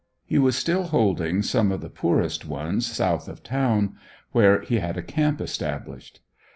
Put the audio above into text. He was still holding some of the poorest ones, south of town, where he had a camp established.